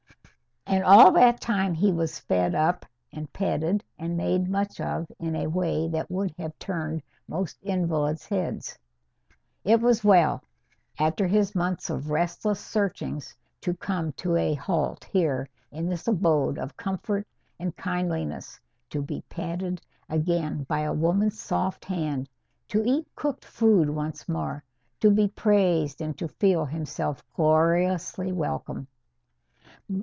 And all that time he was fed up and petted and made much of, in a way that would have turned most invalids' heads. It was well, after his months of restless searchings, to come to a halt here in this abode of comfort and kindliness; to be petted again by a woman's soft hand, to eat cooked food once more, to be praised and to feel himself gloriously welcome.